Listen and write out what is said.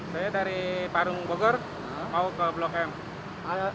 saya dari parung bogor mau ke blok m